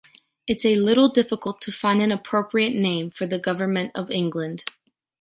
It’s a little difficult to find an appropriate name for the government of England.